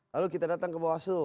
lalu kita datang ke bawaslu